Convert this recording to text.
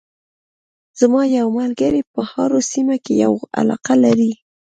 زما یو ملګری په هارو سیمه کې یوه علاقه لري